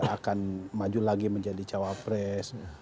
akan maju lagi menjadi cawapres